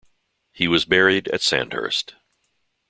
He was buried at Sandhurst.